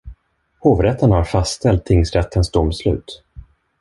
Hovrätten har fastställt tingsrättens domslut.